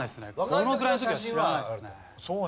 このぐらいの時は知らないですね。